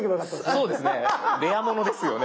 そうですね。